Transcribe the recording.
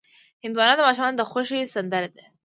هندوانه د ماشومانو د خوښې سندره ده.